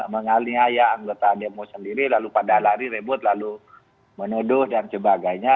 mengaliaya anggota demo sendiri lalu pada lari rebut lalu menuduh dan sebagainya